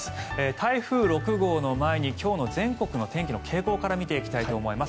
台風６号の前に今日の全国の天気の傾向から見ていきたいと思います。